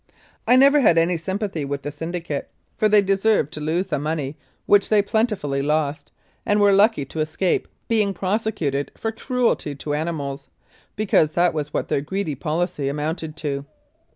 I never had any sympathy with the syndicate, for they deserved to lose the money which they plentifully lost, and were lucky to escape being prosecuted for cruelty to animals, because that was what their greedy policy amounted to.